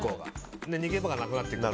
逃げ場がなくなっていく。